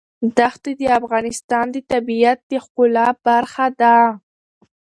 دښتې د افغانستان د طبیعت د ښکلا برخه ده.